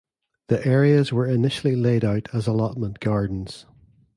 The areas were initially laid out as allotment gardens.